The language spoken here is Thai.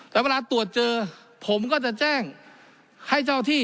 แล้วเวลาตรวจเจอผมก็จะแจ้งให้เจ้าที่